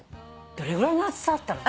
どれぐらいの厚さだったの？